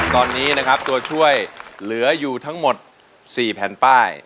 ตอนนี้นะครับตัวช่วยเหลืออยู่ทั้งหมด๔แผ่นป้าย